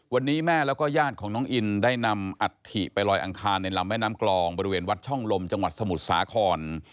วันนี้แม่แล้วก็ญาติของน้องอินได้นำอัฐิไปลอยอังคารในลำแม่น้ำกลองบริเวณวัดช่องลมจังหวัดสมุทรสาคร